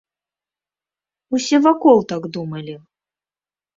Усе вакол так думалі.